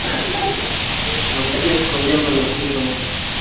nakutakia siku njema na usikivu mwema